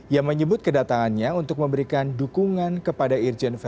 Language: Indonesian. yang menyebut kedatangannya untuk memberikan dukungan kepada irjen verdi